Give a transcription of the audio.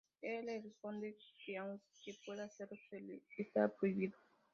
Él le responde que aunque puede hacerlo, se le está prohibido.